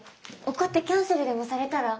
怒ってキャンセルでもされたら。